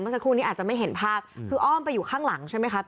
สักครู่นี้อาจจะไม่เห็นภาพคืออ้อมไปอยู่ข้างหลังใช่ไหมครับ